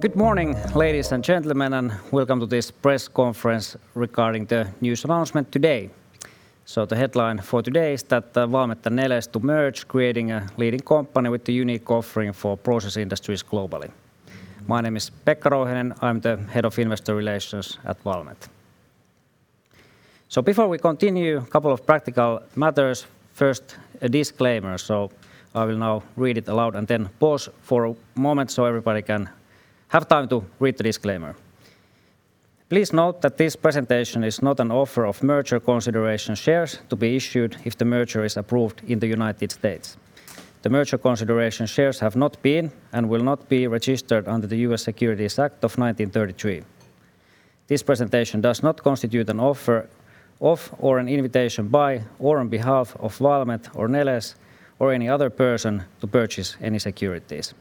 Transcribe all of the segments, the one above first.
Good morning, ladies and gentlemen, and welcome to this press conference regarding the news announcement today. The headline for today is that Valmet and Neles to merge, creating a leading company with a unique offering for process industries globally. My name is Pekka Rouhiainen. I'm the Head of Investor Relations at Valmet. Before we continue, a couple of practical matters. First, a disclaimer. I will now read it aloud and then pause for a moment so everybody can have time to read the disclaimer. Please note that this presentation is not an offer of merger consideration shares to be issued if the merger is approved in the United States. The merger consideration shares have not been and will not be registered under the U.S. Securities Act of 1933. This presentation does not constitute an offer of or an invitation by, or on behalf of Valmet or Neles or any other person to purchase any securities.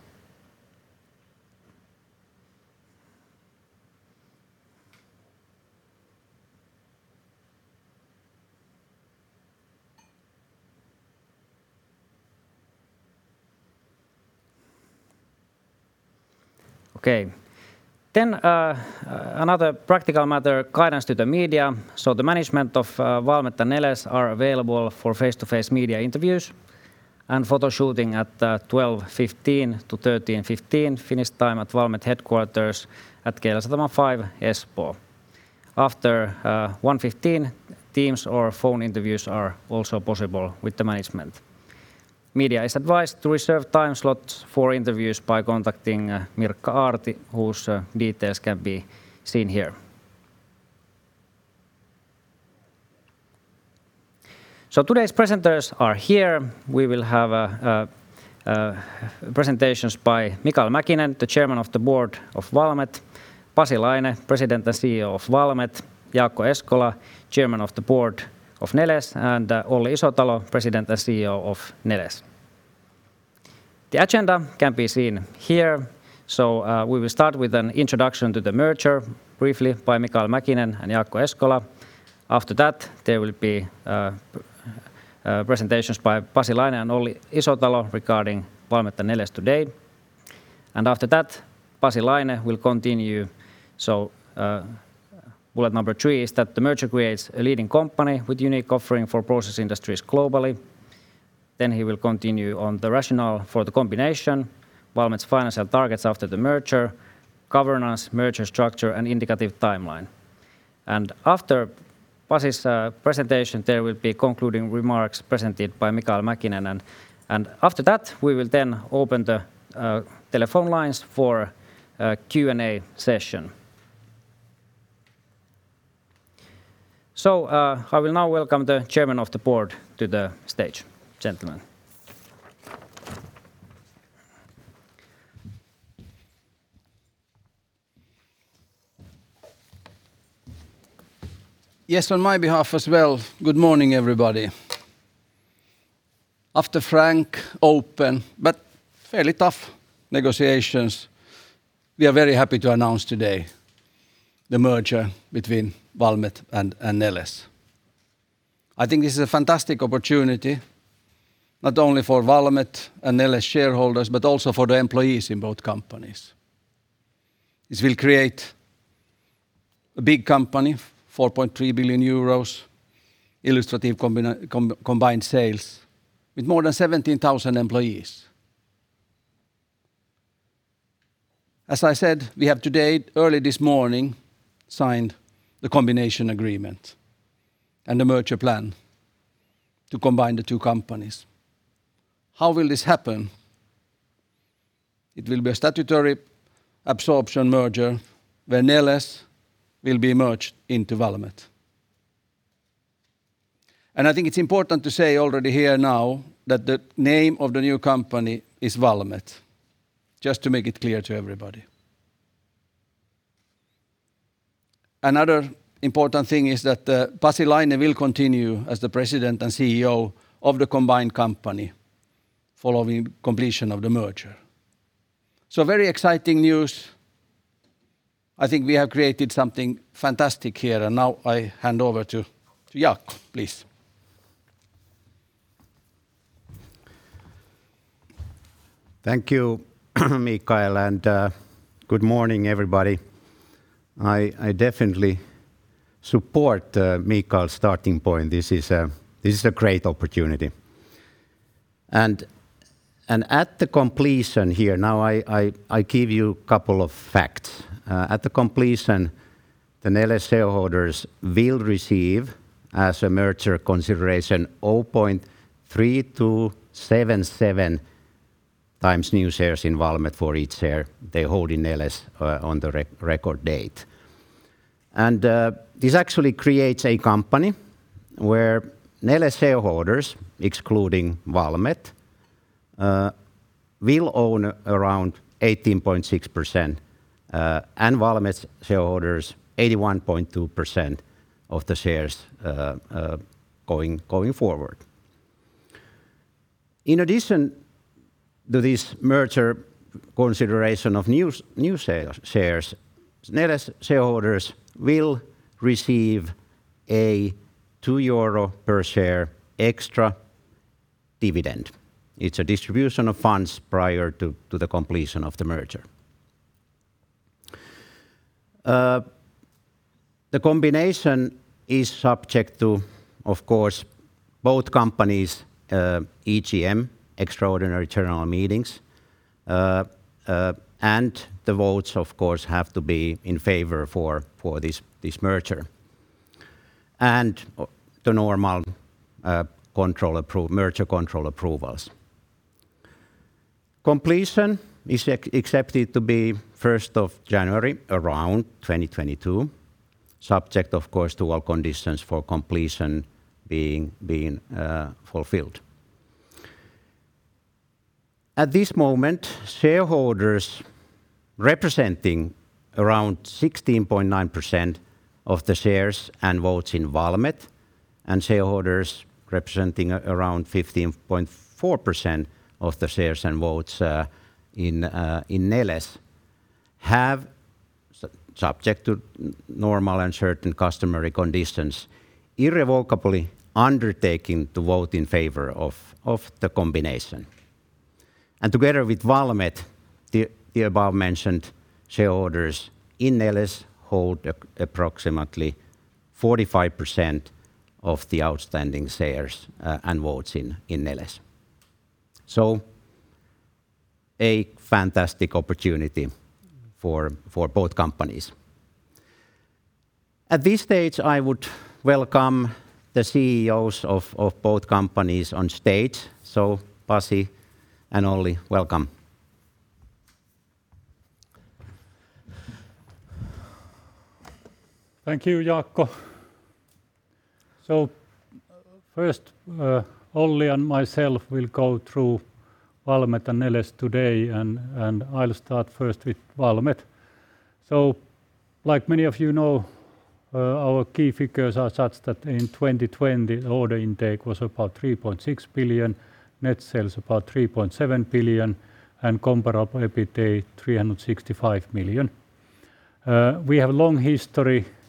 Another practical matter, guidance to the media. The management of Valmet and Neles are available for face-to-face media interviews and photo shooting at 12:15 P.M. to 1:15 P.M. Finnish time at Valmet headquarters at Keilasatama 5, Espoo. After 1:15 P.M., Teams or phone interviews are also possible with the management. Media is advised to reserve time slots for interviews by contacting Mirkka Aarti, whose details can be seen here. Today's presenters are here. We will have presentations by Mikael Mäkinen, the Chairman of the Board of Valmet, Pasi Laine, President and CEO of Valmet, Jaakko Eskola, Chairman of the Board of Neles, and Olli Isotalo, President and CEO of Neles. The agenda can be seen here. We will start with an introduction to the merger briefly by Mikael Mäkinen and Jaakko Eskola. After that, there will be presentations by Pasi Laine and Olli Isotalo regarding Valmet and Neles today. After that, Pasi Laine will continue. Bullet number three is that the merger creates a leading company with unique offering for process industries globally. He will continue on the rationale for the combination, Valmet's financial targets after the merger, governance, merger structure, and indicative timeline. After Pasi's presentation, there will be concluding remarks presented by Mikael Mäkinen, and after that, we will then open the telephone lines for a Q&A session. I will now welcome the Chairman of the Board to the stage. Gentlemen. Yes, on my behalf as well, good morning, everybody. After frank, open, but fairly tough negotiations, we are very happy to announce today the merger between Valmet and Neles. I think it's a fantastic opportunity, not only for Valmet and Neles shareholders, but also for the employees in both companies. This will create a big company, 4.3 billion euros illustrative combined sales with more than 17,000 employees. As I said, we have today, early this morning, signed the combination agreement and the merger plan to combine the two companies. How will this happen? It will be a statutory absorption merger where Neles will be merged into Valmet. I think it's important to say already here now that the name of the new company is Valmet, just to make it clear to everybody. Another important thing is that Pasi Laine will continue as the President and CEO of the combined company following completion of the merger. Very exciting news. I think we have created something fantastic here. Now I hand over to Jaakko, please. Thank you, Mikael. Good morning, everybody. I definitely support Mikael's starting point. This is a great opportunity. At the completion here, now I give you a couple of facts. At the completion, the Neles shareholders will receive, as a merger consideration, 0.3277x new shares in Valmet for each share they hold in Neles on the record date. This actually creates a company where Neles shareholders, excluding Valmet, will own around 18.6%, and Valmet shareholders, 81.2% of the shares going forward. In addition to this merger consideration of new shares, Neles shareholders will receive a 2 euro per share extra dividend. It's a distribution of funds prior to the completion of the merger. The combination is subject to, of course, both companies' EGM, extraordinary general meetings, and the votes, of course, have to be in favor for this merger, and the normal merger control approvals. Completion is accepted to be 1st of January, around 2022, subject, of course, to our conditions for completion being fulfilled. At this moment, shareholders representing around 16.9% of the shares and votes in Valmet, and shareholders representing around 15.4% of the shares and votes in Neles have, subject to normal and certain customary conditions, irrevocably undertaken to vote in favor of the combination. Together with Valmet, the above-mentioned shareholders in Neles hold approximately 45% of the outstanding shares and votes in Neles. A fantastic opportunity for both companies. At this stage, I would welcome the CEOs of both companies on stage. Pasi and Olli, welcome. Thank you, Jaakko. First, Olli and myself will go through Valmet and Neles today, and I'll start first with Valmet. Like many of you know, our key figures are such that in 2020, order intake was about 3.6 billion, net sales about 3.7 billion, and comparable EBITDA 365 million. We have long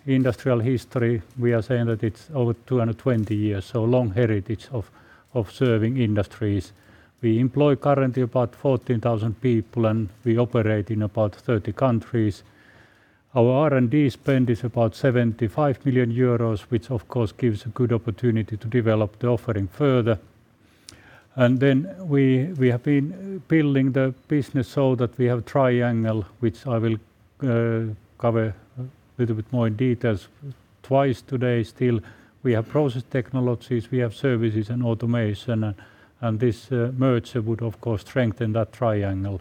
industrial history. We are saying that it's over 220 years, a long heritage of serving industries. We employ currently about 14,000 people, and we operate in about 30 countries. Our R&D spend is about 75 million euros, which of course gives a good opportunity to develop the offering further. Then we have been building the business so that we have a triangle, which I will cover with a bit more details twice today still. We have process technologies, we have services and automation, this merger would of course strengthen that triangle.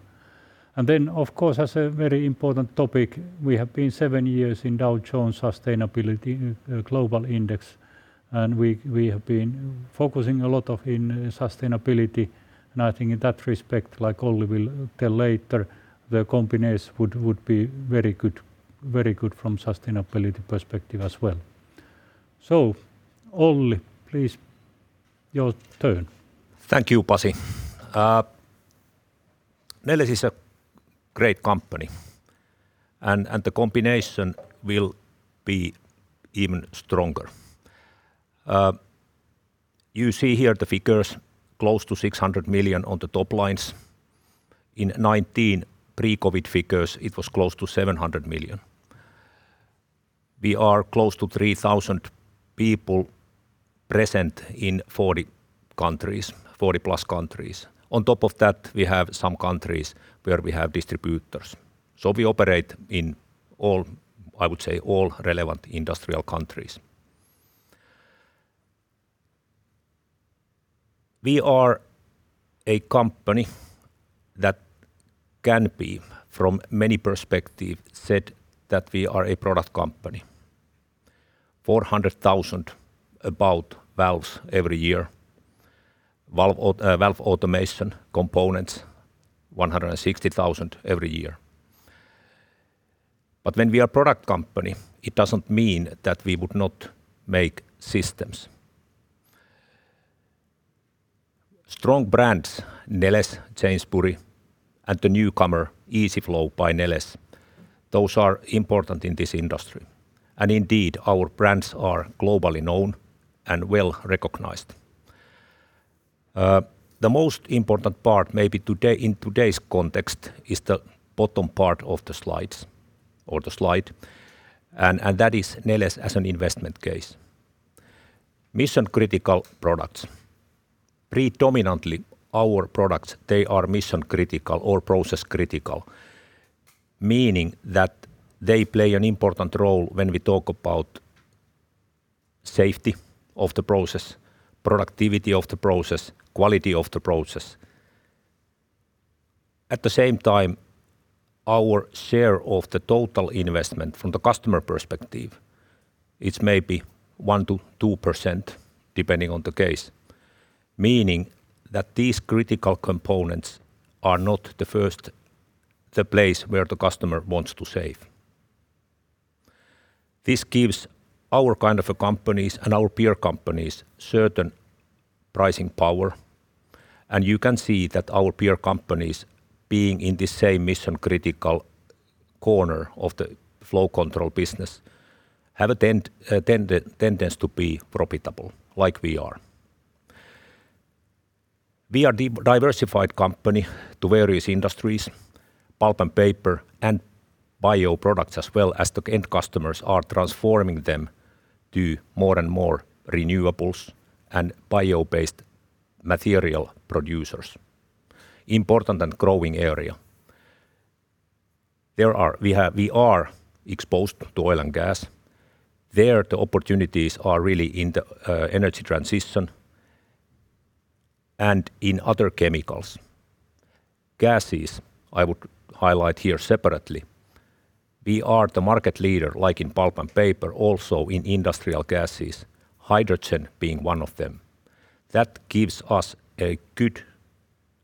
Of course, as a very important topic, we have been seven years in Dow Jones Sustainability World Index, and we have been focusing a lot in sustainability. I think in that respect, like Olli will tell later, the combination would be very good from sustainability perspective as well. Olli, please, your turn. Thank you, Pasi. Neles is a great company, and the combination will be even stronger. You see here the figures close to 600 million on the top lines. In 2019, pre-COVID figures, it was close to 700 million. We are close to 3,000 people present in 40+ countries. On top of that, we have some countries where we have distributors. We operate in, I would say, all relevant industrial countries. We are a company that can be, from many perspective, said that we are a product company. 400,000 about valves every year. Valve automation components, 160,000 every year. When we are a product company, it doesn't mean that we would not make systems. Strong brands, Neles, Jamesbury, and the newcomer, Easyflow by Neles, those are important in this industry. Indeed, our brands are globally known and well-recognized. The most important part maybe in today's context is the bottom part of the slide, and that is Neles as an investment case. Mission-critical products. Predominantly our products, they are mission-critical or process-critical, meaning that they play an important role when we talk about safety of the process, productivity of the process, quality of the process. At the same time, our share of the total investment from the customer perspective, it's maybe 1%-2%, depending on the case, meaning that these critical components are not the place where the customer wants to save. This gives our kind of companies and our peer companies certain pricing power, and you can see that our peer companies being in the same mission-critical corner of the flow control business have a tendency to be profitable like we are. We are a diversified company to various industries, pulp and paper, and bioproducts as well as the end customers are transforming them to more and more renewables and bio-based material producers. Important and growing area. We are exposed to oil and gas. There, the opportunities are really in the energy transition and in other chemicals. Gases, I would highlight here separately. We are the market leader like in pulp and paper, also in industrial gases, hydrogen being one of them. That gives us a good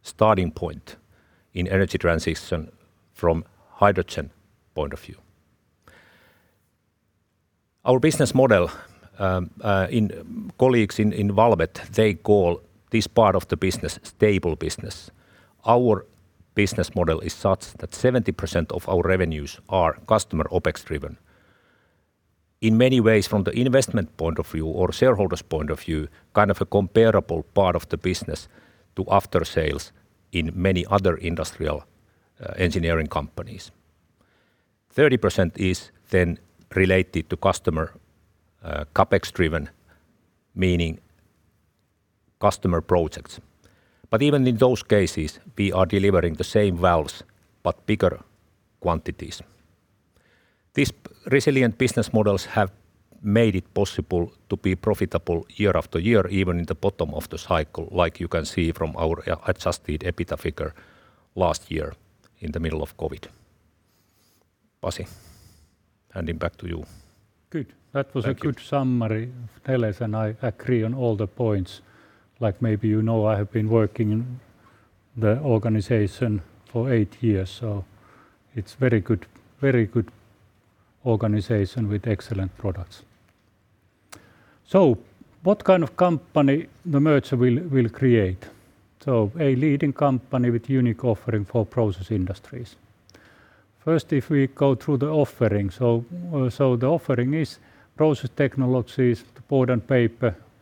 starting point in energy transition from hydrogen point of view. Our business model, colleagues in Valmet, they call this part of the business stable business. Our business model is such that 70% of our revenues are customer OpEx driven. In many ways, from the investment point of view or shareholder's point of view, a comparable part of the business to aftersales in many other industrial engineering companies. 30% is then related to customer CapEx driven, meaning customer projects. Even in those cases, we are delivering the same valves but bigger quantities. These resilient business models have made it possible to be profitable year after year, even in the bottom of the cycle, like you can see from our adjusted EBITDA figure last year in the middle of COVID. Pasi, handing back to you. Good. That was a good summary. Neles and I agree on all the points. Maybe you know I have been working in the organization for eight years, so it's very good organization with excellent products. What kind of company the merger will create? A leading company with unique offering for process industries. First, if we go through the offering, so the offering is process technologies, the board and paper, and tissue, where we are clearly number one in supply in the world. In pulp and energy, we make pulp mills, and we make power plants as well. There our market position is number one, number two, or number three, a little bit depending on the product and the year, but strong player in any case. In services, we have strong market position in those same process technologies,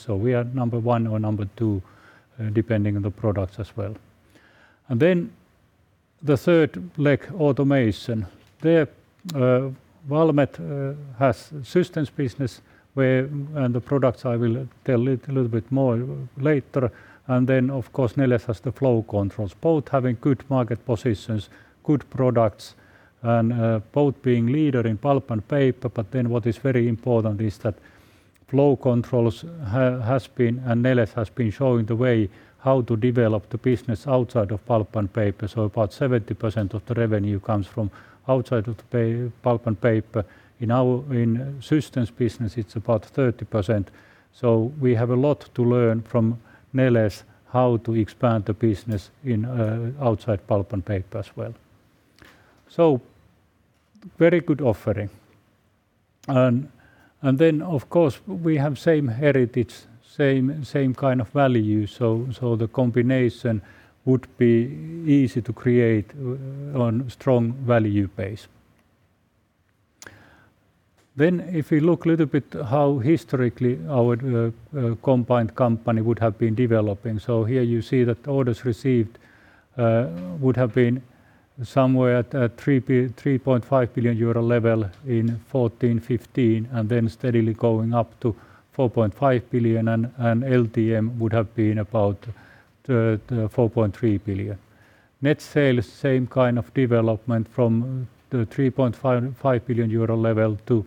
so we are number one or number two, depending on the product as well. The third leg, Automation. There Valmet has systems business where the products I will tell you a little bit more later, and then, of course, Neles has the flow controls, both having good market positions, good products, and both being leader in pulp and paper. What is very important is that flow controls has been, and Neles has been showing the way how to develop the business outside of pulp and paper. About 70% of the revenue comes from outside of the pulp and paper. In systems business, it's about 30%. We have a lot to learn from Neles how to expand the business outside pulp and paper as well. Very good offering. We have same heritage, same kind of value. The combination would be easy to create on a strong value base. If you look a little bit how historically our combined company would have been developing. Here you see that orders received would have been somewhere at 3.5 billion euro level in 2014, 2015, steadily going up to 4.5 billion. LTM would have been about 4.3 billion. Net sales, same kind of development from the 3.5 billion euro level to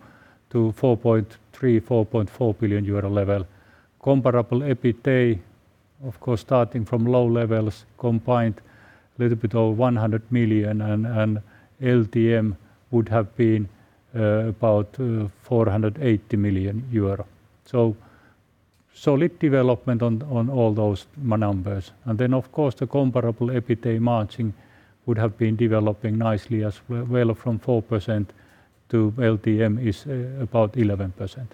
4.3 billion, 4.4 billion euro level. Comparable EBITDA, of course, starting from low levels, combined a little bit over 100 million, LTM would have been about 480 million euro. Solid development on all those numbers. The comparable EBITDA margin would have been developing nicely as well from 4% to LTM is about 11%.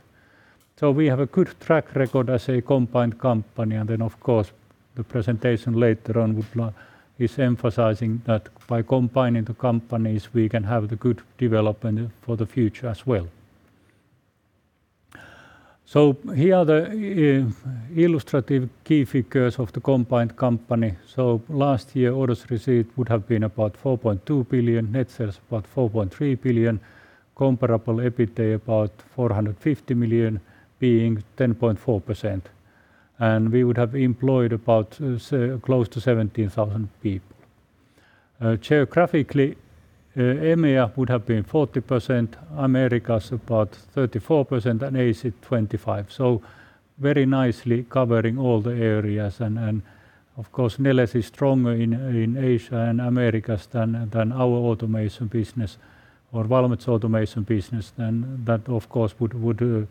We have a good track record as a combined company, and then, of course, the presentation later on is emphasizing that by combining the companies, we can have the good development for the future as well. Here are the illustrative key figures of the combined company. Last year, orders received would have been about 4.2 billion, net sales about 4.3 billion, comparable EBITDA about 450 million, being 10.4%. We would have employed about close to 17,000 people. Geographically, EMEA would have been 40%, Americas about 34%, and Asia 25%. Very nicely covering all the areas. Of course, Neles is stronger in Asia and Americas than our automation business, or Valmet's automation business, then that, of course, would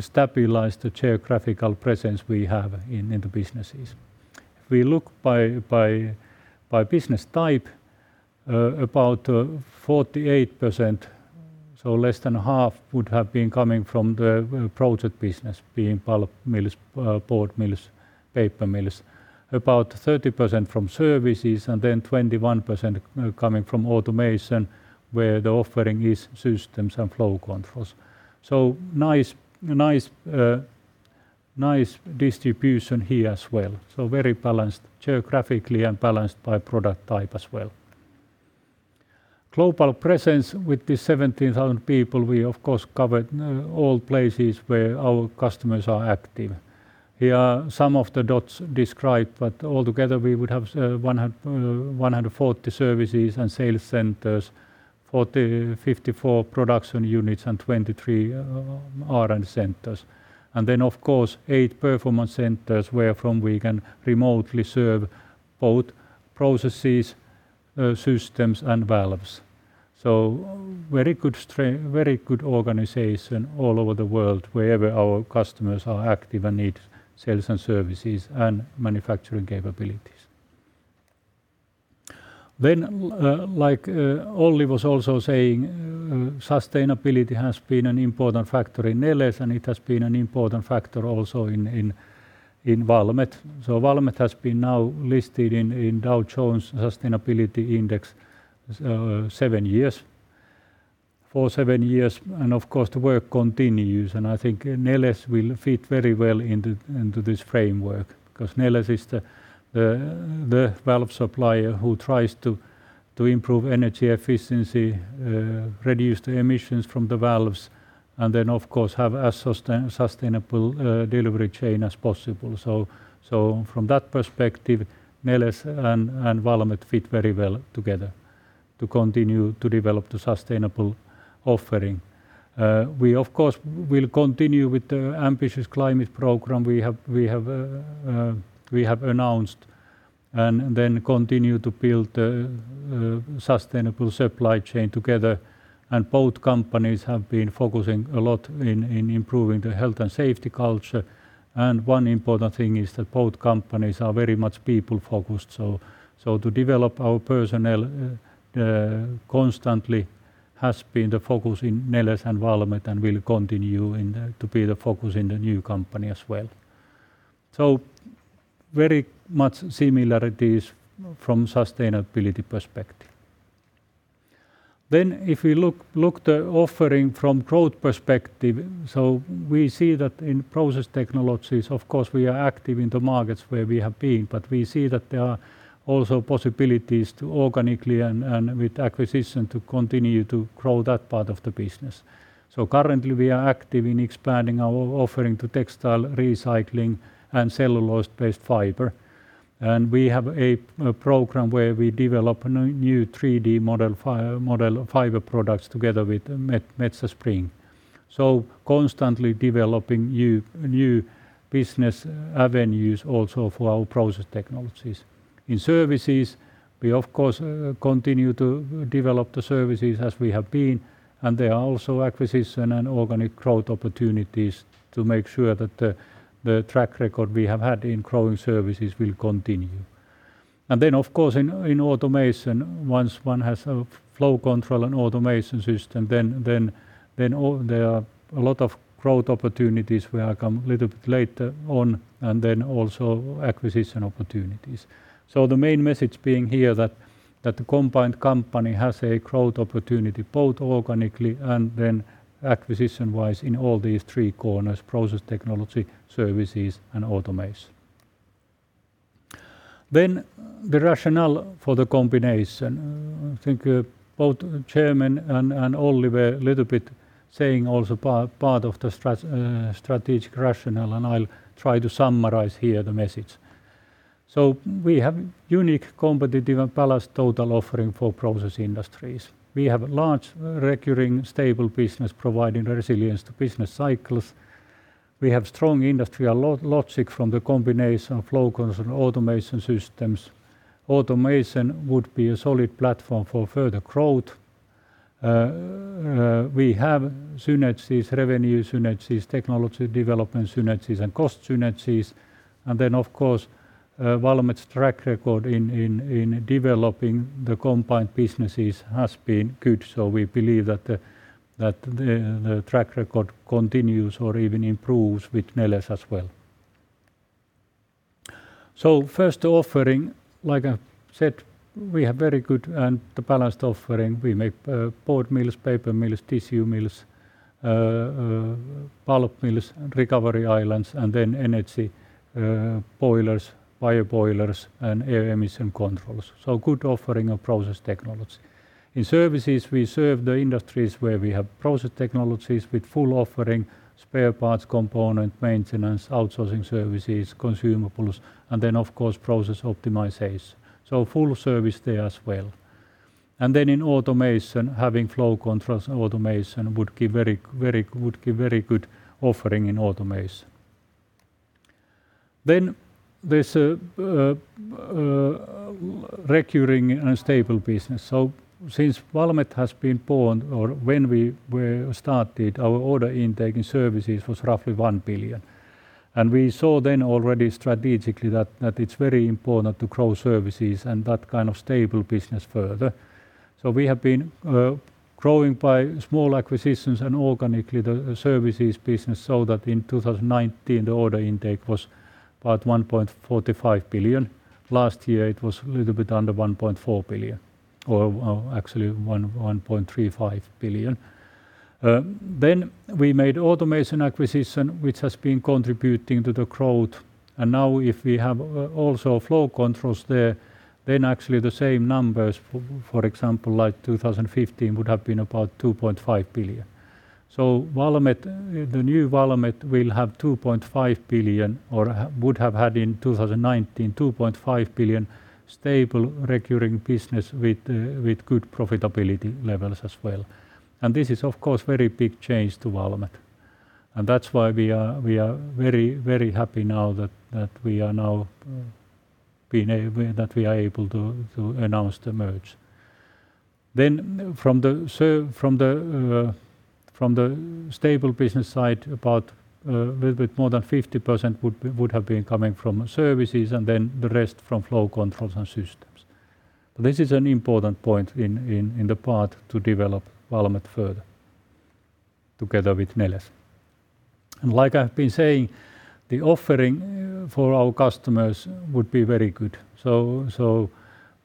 stabilize the geographical presence we have in the businesses. If we look by business type, about 48%, so less than 1/2 would have been coming from the project business, being pulp mills, board mills, paper mills. About 30% from services, and then 21% coming from Automation, where the offering is systems and flow controls. Nice distribution here as well. Very balanced geographically and balanced by product type as well. Global presence with the 17,000 people, we of course cover all places where our customers are active. Here, some of the dots described, but altogether we would have 140 services and sales centers, 54 production units and 23 R&D centers. Of course, eight performance centers where from we can remotely serve both processes, systems, and valves. Very good organization all over the world wherever our customers are active and need sales and services and manufacturing capabilities. Like Olli was also saying, sustainability has been an important factor in Neles and it has been an important factor also in Valmet. Valmet has been now listed in Dow Jones Sustainability Index for seven years, and of course, the work continues, and I think Neles will fit very well into this framework because Neles is the valve supplier who tries to improve energy efficiency, reduce the emissions from the valves, and then, of course, have as sustainable delivery chain as possible. From that perspective, Neles and Valmet fit very well together to continue to develop the sustainable offering. We, of course, will continue with the ambitious climate program we have announced. Then continue to build a sustainable supply chain together. Both companies have been focusing a lot in improving the health and safety culture. One important thing is that both companies are very much people-focused. To develop our personnel constantly has been the focus in Neles and Valmet and will continue to be the focus in the new company as well. Very much similarities from sustainability perspective. If you look the offering from growth perspective, we see that in process technologies, of course, we are active in the markets where we have been. We see that there are also possibilities to organically and with acquisition to continue to grow that part of the business. Currently we are active in expanding our offering to textile recycling and cellulose-based fiber. We have a program where we develop new 3D molded fiber products together with Metsä Spring. Constantly developing new business avenues also for our process technologies. In services, we, of course, continue to develop the services as we have been, and there are also acquisition and organic growth opportunities to make sure that the track record we have had in Valmet's track record in developing the combined businesses has been good. We believe that the track record continues or even improves with Neles as well. First offering, like I said, we have very good and balanced offering. We make board mills, paper mills, tissue mills, pulp mills, recovery islands, and then energy boilers, fire boilers, and air emission controls. Good offering of process technology. In services, we serve the industries where we have process technologies with full offering, spare parts component, maintenance, outsourcing services, consumables, and then, of course, process optimization. Full service there as well. In automation, having flow controls and automation would give very good offering in automation. There's a recurring and stable business. Since Valmet has been born, or when we started, our order intake in services was roughly EUR 1 billion. We saw then already strategically that it's very important to grow services and that kind of stable business further. We have been growing by small acquisitions and organically the services business, that in 2019, the order intake was about EUR 1.45 billion. Last year, it was a little bit under EUR 1.4 billion, or actually, EUR 1.35 billion. We made automation acquisition, which has been contributing to the growth. Now if we have also flow controls there, then actually the same numbers, for example, 2015 would have been about EUR 2.5 billion. The new Valmet will have EUR 2.5 billion or would have had in 2019, EUR 2.5 billion stable, recurring business with good profitability levels as well. This is, of course, very big change to Valmet, and that's why we are very happy now that we are able to announce the merge. From the stable business side, about a little bit more than 50% would have been coming from services, and then the rest from flow controls and systems. This is an important point in the path to develop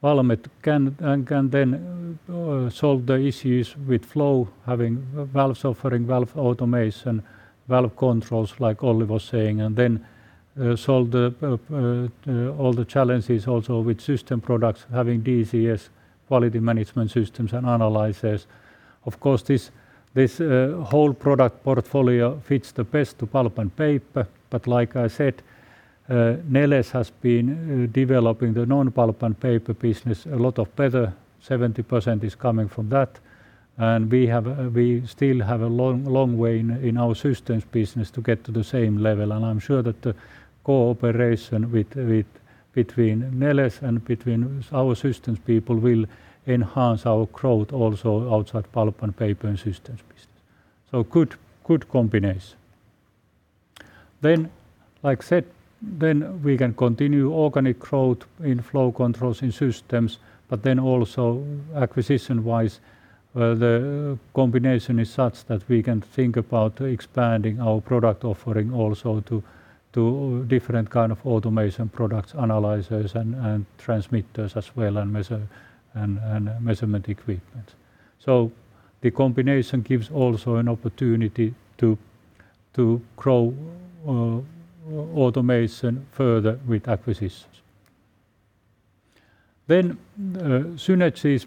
Valmet further together with Neles. Like I've been saying, the offering for our customers would be very good. Valmet can then solve the issues with flow, having valve offering, valve automation, valve controls, like Olli was saying, and then solve all the challenges also with system products, having DCS, quality management systems, and analyzers. Of course, this whole product portfolio fits the best to pulp and paper, but like I said, Neles has been developing the non-pulp and paper business a lot of better. 70% is coming from that, and we still have a long way in our systems business to get to the same level, and I'm sure that the cooperation between Neles and between our systems people will enhance our growth also outside pulp and paper and systems business. Good combination. Like I said, we can continue organic growth in flow controls in systems, also acquisition-wise, the combination is such that we can think about expanding our product offering also to different kind of automation products, analyzers, and transmitters as well, and measurement equipment. The combination gives also an opportunity to grow automation further with acquisitions. Synergies,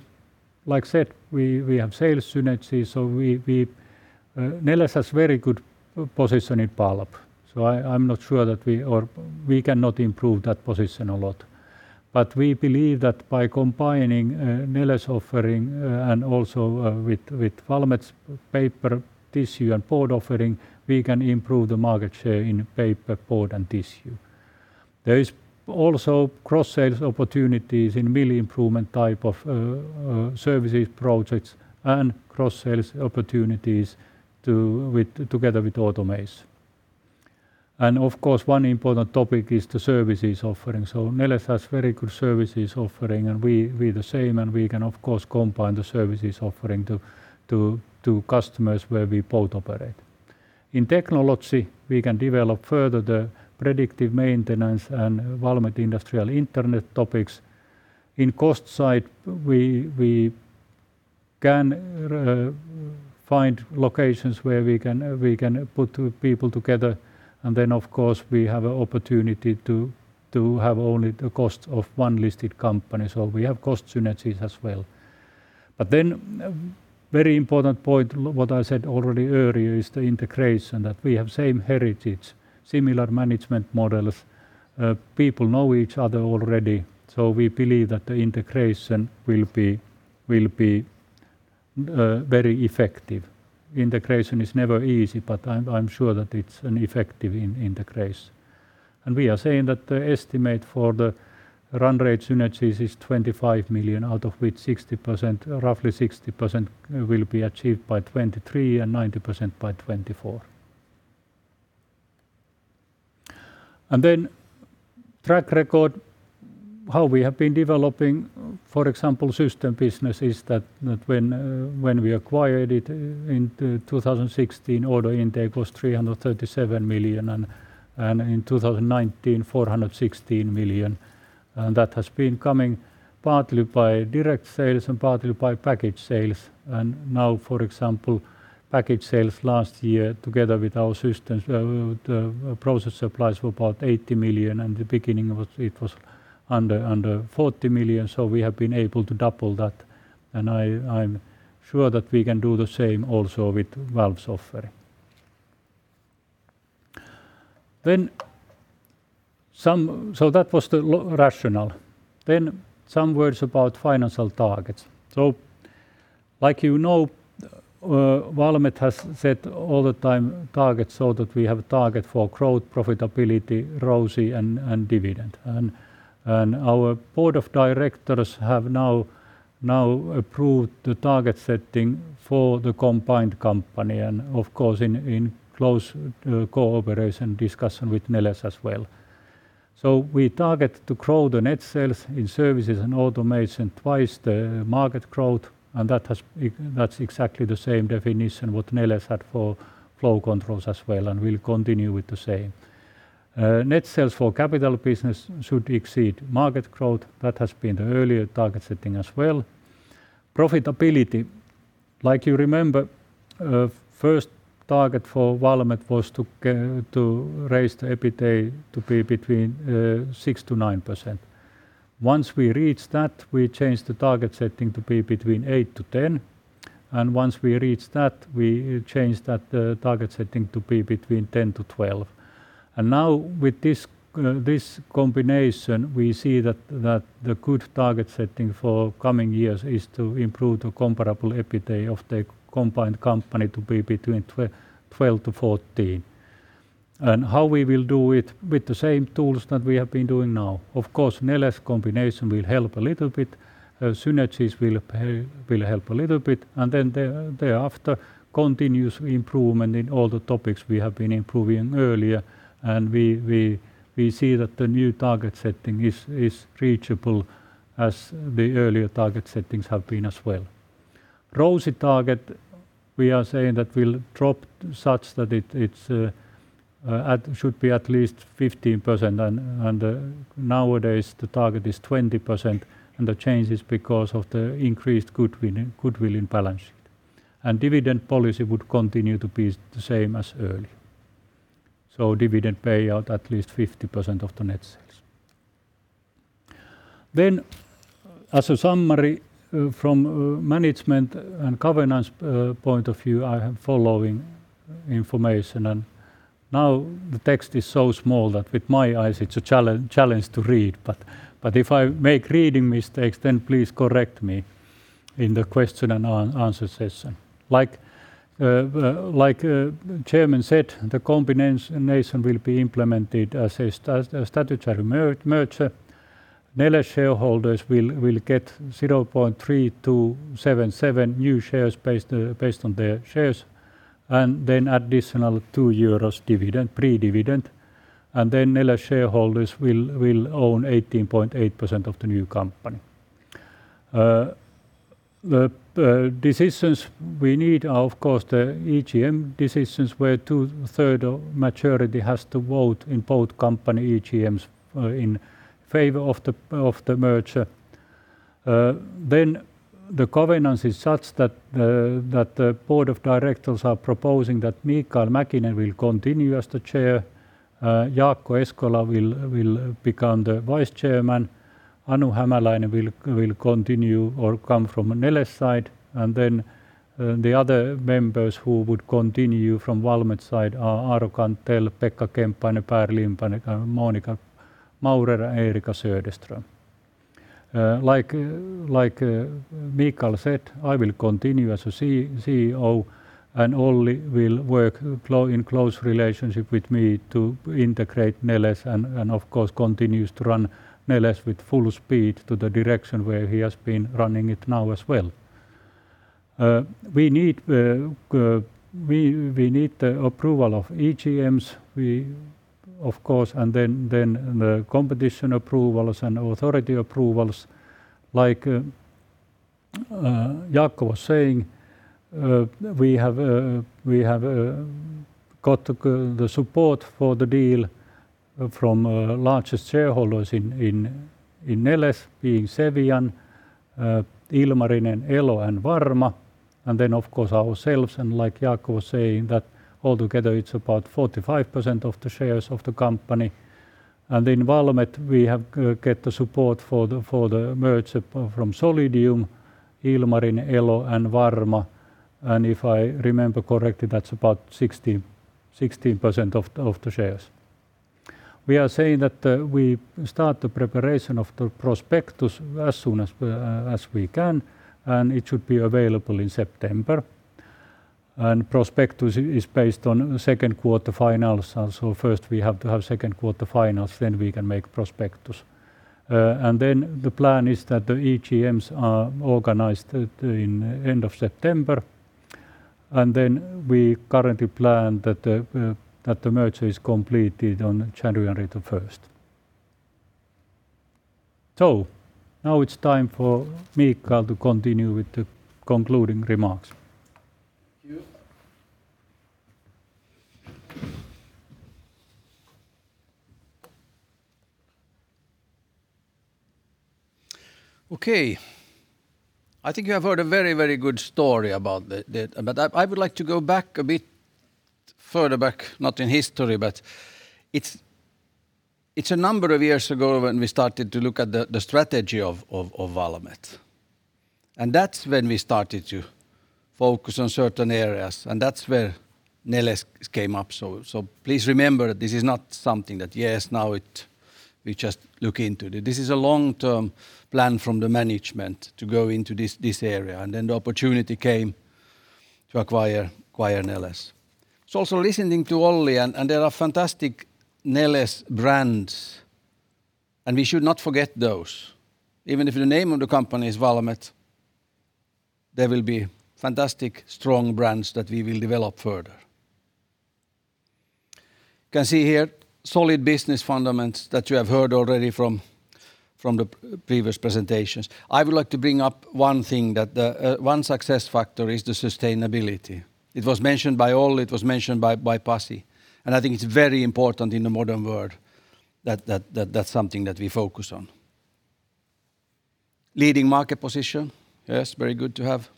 like I said, we have sales synergies, Neles has very good position in pulp, I'm not sure that we cannot improve that position a lot. We believe that by combining Neles offering and also with Valmet's paper tissue and board offering, we can improve the market share in paper, board, and tissue. There is also cross-sales opportunities in mill improvement type of services projects, and cross-sales opportunities together with automation. Of course, one important topic is the services offering. Neles has very good services offering, and we the same, and we can, of course, combine the services offering to customers where we both operate. In technology, we can develop further the predictive maintenance and Valmet Industrial Internet topics. In cost side, we can find locations where we can put people together, and then, of course, we have an opportunity to have only the cost of one listed company. We have cost synergies as well. Very important point, what I said already earlier is the integration, that we have same heritage, similar management models, people know each other already. We believe that the integration will be very effective. Integration is never easy, but I'm sure that it's an effective integration. We are saying that the estimate for the run rate synergies is 25 million, out of which roughly 60% will be achieved by 2023, and 90% by 2024. Track record, how we have been developing, for example, automation business is that when we acquired it in 2016, order intake was 337 million, and in 2019, 416 million. That has been coming partly by direct sales and partly by package sales. Now, for example, package sales last year together with our automation, the process supplies were about 80 million. In the beginning, it was under 40 million, so we have been able to double that, and I'm sure that we can do the same also with valves offering. That was the rationale. Some words about financial targets. Like you know, Valmet has set all the time targets so that we have target for growth, profitability, ROCE, and dividend. Our Board of Directors have now approved the target setting for the combined company, and of course, in close cooperation discussion with Neles as well. We target to grow the net sales in services and automation twice the market growth, and that's exactly the same definition what Neles had for flow controls as well and will continue with the same. Net sales for capital business should exceed market growth. That has been the earlier target setting as well. Profitability, like you remember, first target for Valmet was to raise the EBITDA to be between 6%-9%. Once we reached that, we changed the target setting to be between 8%-10%. Once we reached that, we changed that target setting to be between 10%-12%. Now with this combination, we see that the good target setting for coming years is to improve the comparable EBITDA of the combined company to be between 12%-14%. How we will do it? With the same tools that we have been doing now. will be implemented as a statutory merger. Neles shareholders will get 0.3277x new shares based on their shares. Then additional EUR 2 pre-dividend. Neles shareholders will own 18.8% of the new company. The decisions we need are, of course, the EGM decisions where two third majority has to vote in both company EGMs in favor of the merger. The governance is such that the Board of Directors are proposing that Mikael Mäkinen will continue as the Chair, Jaakko Eskola will become the Vice Chairman, Anu Hämäläinen will continue or come from Neles side, and the other members who would continue from Valmet side are Aaro Cantell, Pekka Kemppainen, Per Lindberg, Monika Maurer, Eriikka Söderström. Like Mikael said, I will continue as a CEO, and Olli will work in close relationship with me to integrate Neles and of course, continues to run Neles with full speed to the direction where he has been running it now as well. We need the approval of EGMs, of course, and the competition approvals and authority approvals. Like Jaakko was saying, we have got the support for the deal from largest shareholders in Neles being Cevian, Ilmarinen, Elo, and Varma, and then, of course, ourselves. Like Jaakko was saying, that altogether it's about 45% of the shares of the company. In Valmet, we have get the support for the merger from Solidium, Ilmarinen, Elo, and Varma, and if I remember correctly, that's about 16% of the shares. We are saying that we start the preparation of the prospectus as soon as we can, and it should be available in September. Prospectus is based on second quarter finals, first we have to have second quarter finals, we can make prospectus. The plan is that the EGMs are organized in end of September, we currently plan that the merger is completed on January 1st. Now it's time for Mikael to continue with the concluding remarks. Thank you. Okay. I think I've heard a very good story about that. I would like to go back a bit further back, not in history, but it's a number of years ago when we started to look at the strategy of Valmet, and that's when we started to focus on certain areas, and that's where Neles came up. Please remember, this is not something that, yes, now we just look into. This is a long-term plan from the management to go into this area. The opportunity came to acquire Neles. Also listening to Olli, there are fantastic Neles brands, and we should not forget those. Even if the name of the company is Valmet, there will be fantastic, strong brands that we will develop further. You can see here solid business fundamentals that you have heard already from the previous presentations. I would like to bring up one thing, that one success factor is the sustainability. It was mentioned by Olli, it was mentioned by Pasi. I think it's very important in the modern world that that's something that we focus on. Leading market position. Yes, very good to have.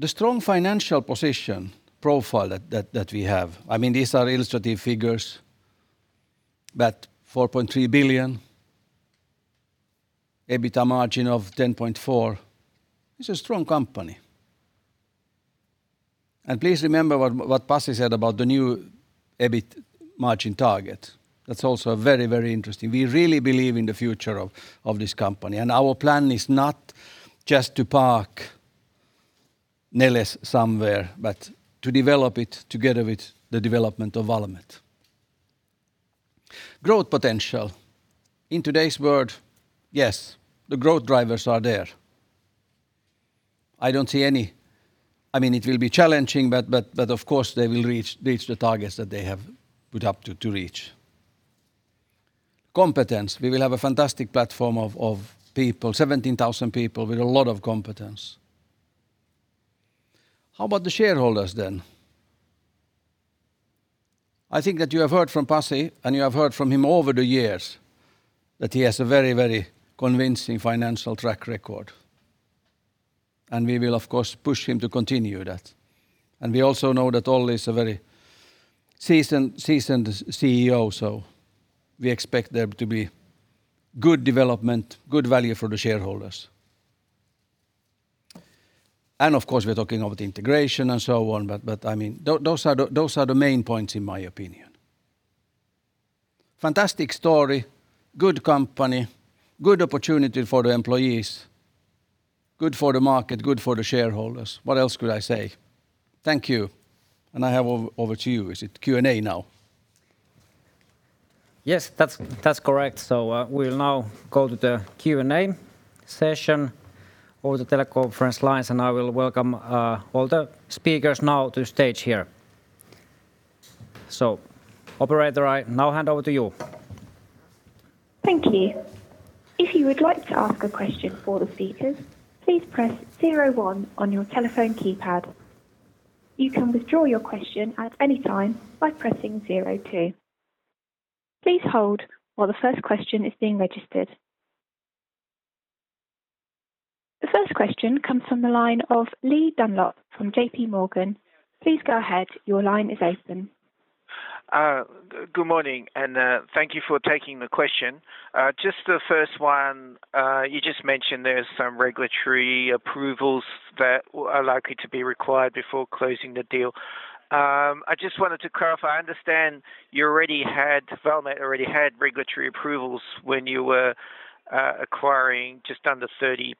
The strong financial position profile that we have. These are illustrative figures, but EUR 4.3 billion, EBITDA margin of 10.4%. It's a strong company. Please remember what Pasi said about the new EBITDA margin target. That's also very interesting. We really believe in the future of this company, and our plan is not just to park Neles somewhere, but to develop it together with the development of Valmet. Growth potential. In today's world, yes, the growth drivers are there. It will be challenging, of course, they will reach the targets that they have put up to reach. Competence. We will have a fantastic platform of people, 17,000 people with a lot of competence. How about the shareholders, then? I think that you have heard from Pasi, and you have heard from him over the years that he has a very convincing financial track record, and we will, of course, push him to continue that. We also know that Olli is a very seasoned CEO, we expect there to be good development, good value for the shareholders. Of course, we're talking about integration and so on, those are the main points in my opinion. Fantastic story, good company, good opportunity for the employees, good for the market, good for the shareholders. What else could I say? Thank you. I hand over to you. Is it Q&A now? Yes, that's correct. We'll now go to the Q&A session over the teleconference lines, and I will welcome all the speakers now to stage here. Operator, I now hand over to you. Thank you. If you would like to ask a question for the speakers, please press zero one on your telephone keypad. You can withdraw your question at any time by pressing zero two. Please hold while the first question is being registered. The first question comes from the line of Lee Dunlop from JPMorgan. Please go ahead. Your line is open. Good morning, and thank you for taking the question. Just the first one, you just mentioned there's some regulatory approvals that are likely to be required before closing the deal. I just wanted to clarify. I understand Valmet already had regulatory approvals when you were acquiring just under 30%,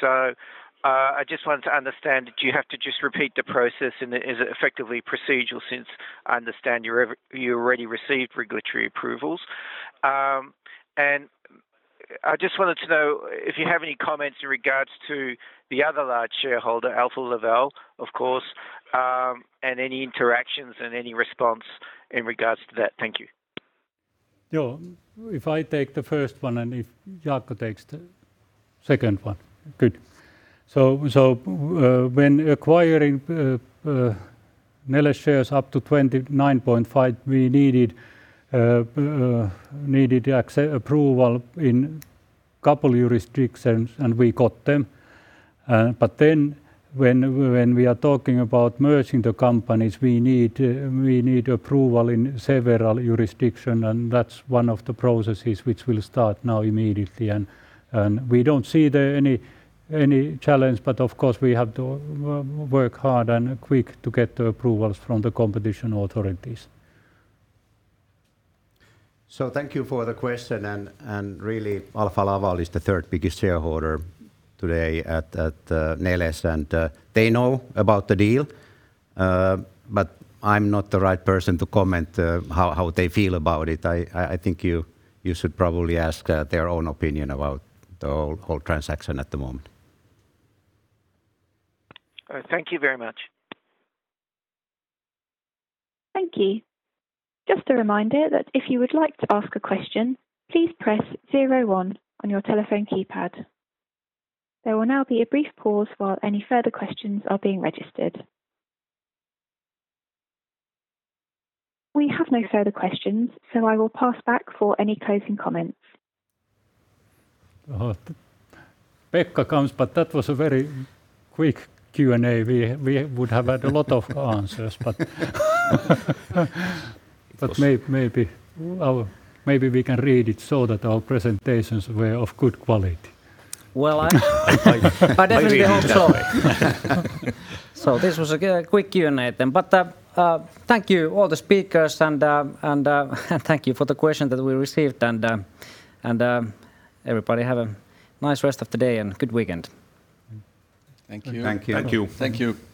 so I just wanted to understand, do you have to just repeat the process, and is it effectively procedural since I understand you already received regulatory approvals? I just wanted to know if you have any comments in regards to the other large shareholder, Alfa Laval, of course, and any interactions and any response in regards to that. Thank you. If I take the first one, and if Jaakko takes the second one. Good. When acquiring Neles shares up to 29.5%, we needed approval in a couple jurisdictions, and we got them. When we are talking about merging the companies, we need approval in several jurisdictions, and that's one of the processes which will start now immediately. We don't see any challenge, but of course, we have to work hard and quick to get the approvals from the competition authorities. Thank you for the question, and really, Alfa Laval is the third biggest shareholder today at Neles, and they know about the deal. I'm not the right person to comment how they feel about it. I think you should probably ask their own opinion about the whole transaction at the moment. All right. Thank you very much. Thank you. Just a reminder that if you would like to ask a question, please press zero one on your telephone keypad. There will now be a brief pause while any further questions are being registered. We have no further questions, so I will pass back for any closing comments. Pekka comes, that was a very quick Q&A. We would have had a lot of answers. Maybe we can read it so that our presentations were of good quality. I really hope so. This was a quick Q&A then. Thank you, all the speakers, and thank you for the question that we received, and everybody have a nice rest of the day and a good weekend. Thank you. Thank you. Thank you.